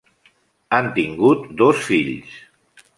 Han tingut dos fills.